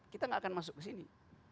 kita nggak akan masuk ke sini